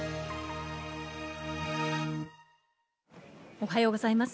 おはようございます。